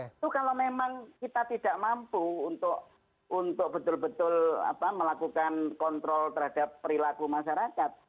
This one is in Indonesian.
itu kalau memang kita tidak mampu untuk betul betul melakukan kontrol terhadap perilaku masyarakat